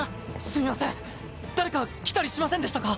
すみません誰か来たりしませんでしたか？